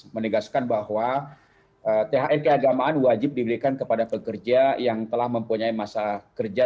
menegaskan bahwa thr keagamaan wajib diberikan kepada pekerja yang telah mempunyai masa kerja